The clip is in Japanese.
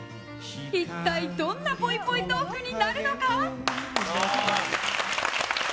一体どんなぽいぽいトークになるのか。